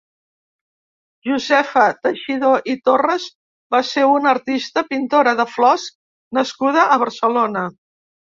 Josefa Teixidor i Torres va ser una artista, pintora de flors nascuda a Barcelona.